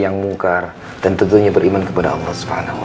yang munkar dan tentunya beriman kepada allah